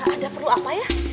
ada perlu apa ya